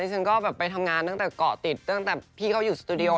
ฉันก็แบบไปทำงานตั้งแต่เกาะติดตั้งแต่พี่เขาอยู่สตูดิโอ